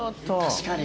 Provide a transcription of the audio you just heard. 確かに。